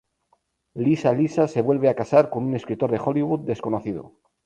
Lisa Lisa se vuelve a casar con un escritor de Hollywood desconocido.